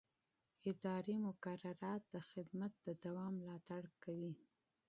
اداري مقررات د خدمت د دوام ملاتړ کوي.